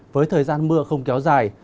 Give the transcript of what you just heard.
với thời gian mưa không kéo dài